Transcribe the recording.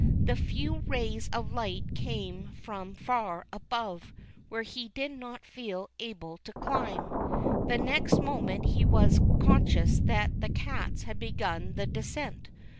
The few rays of light came from far above^ where he did not feel able to climb. The next moment he was conscious that the cats had begun the descent.